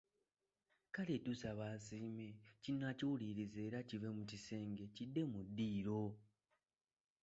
Kale tusaba asiime, kino akiwulirize era kive mu kisenge, kidde mu ddiiro.